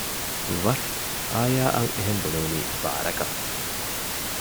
ވަޓް؟ އާޔާ އަށް އެހެން ބުނެވުނީ ބާރަކަށް